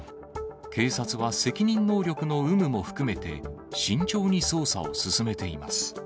警察は責任能力の有無も含めて、慎重に捜査を進めています。